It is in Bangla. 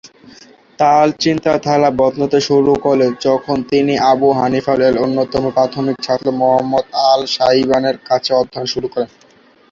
তার চিন্তাধারা বদলাতে শুরু করে যখন তিনি আবু হানিফা এর অন্যতম প্রাথমিক ছাত্র, মুহাম্মদ আল-শায়বানি এর কাছে অধ্যয়ন শুরু করেন।